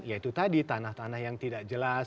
yaitu tadi tanah tanah yang tidak jelas